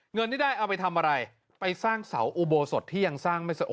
เงินที่ได้เอาไปทำอะไรไปสร้างเสาอุโบสถที่ยังสร้างไม่สะอ